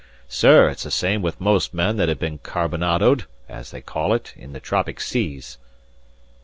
Sir, it's the same with most men that have been carbonadoed, as they call it, in the tropic seas."